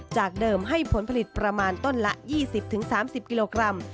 จากเดิมให้ผลผลิตประมาณต้นละ๒๐๓๐กิโลกรัม